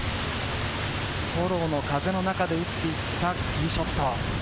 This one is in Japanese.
フォローの風の中で打っていったティーショット。